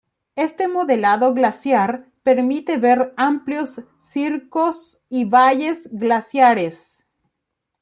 Este modelado glaciar permite ver amplios circos y valles glaciares.